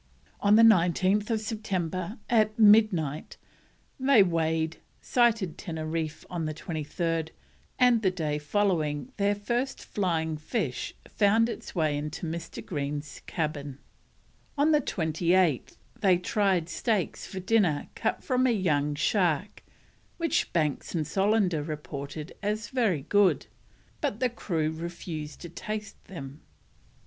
On 19th September, at midnight, they weighed, sighted Teneriffe on the 23rd, and the day following their first flying fish found its way into Mr. Green's cabin. On the 28th they tried steaks for dinner cut from a young shark, which Banks and Solander reported as very good, but the crew refused to taste them.